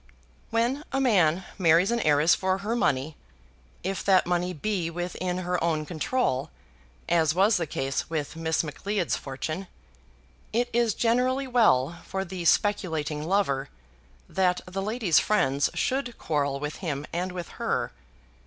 When a man marries an heiress for her money, if that money be within her own control, as was the case with Miss Macleod's fortune, it is generally well for the speculating lover that the lady's friends should quarrel with him and with her.